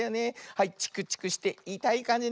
はいチクチクしていたいかんじね。